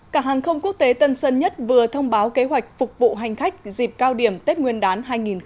cảng hàng không quốc tế tân sơn nhất vừa thông báo kế hoạch phục vụ hành khách dịp cao điểm tết nguyên đán hai nghìn hai mươi